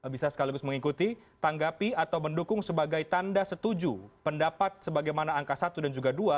bisa sekaligus mengikuti tanggapi atau mendukung sebagai tanda setuju pendapat sebagaimana angka satu dan juga dua